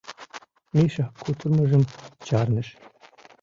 Миша кутырымыжым чарныш.